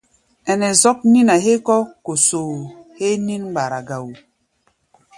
Ɛnɛ zɔ́k nín-a hégɔ́ kosoo héé nín-mgbara ga wo.